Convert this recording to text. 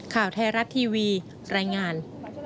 ข่าวไทยรัฐทีวีรายงาน